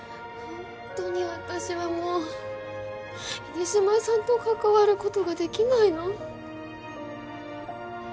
ホントに私はもう秀島さんと関わることができないの？